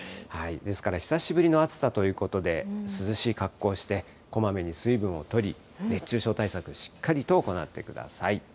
ですから、久しぶりの暑さということで、涼しい格好をして、こまめに水分をとり、熱中症対策しっかりと行ってください。